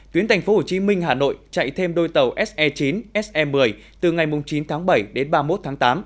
tuyến tp hcm hà nội chạy thêm đôi tàu se chín se một mươi từ ngày chín tháng bảy đến ba mươi một tháng tám